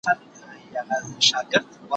له هوا یوه کومول کښته کتله